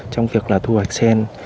trong việc là thu hoạch sen